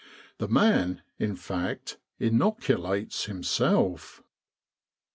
The man, in fact, inoculates himself.